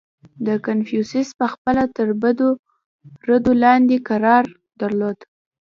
• کنفوسیوس پهخپله تر بدو ردو لاندې قرار درلود.